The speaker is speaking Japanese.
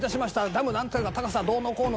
「ダムなんたらが高さどうのこうの」